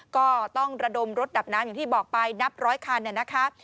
ก็ต้องระดมรถดับน้ำอย่างที่บอกไปนับร้อยคันนะคะ